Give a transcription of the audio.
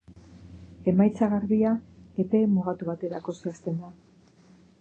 Emaitza garbia, epe mugatu baterako zehazten da.